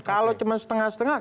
kalau cuma setengah setengah